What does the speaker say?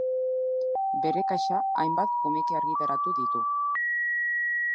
Bere kaxa hainbat komiki argitaratu ditu.